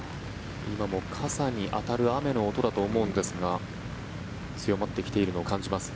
今も傘に当たる雨の音だと思うんですが強まってきているのを感じます。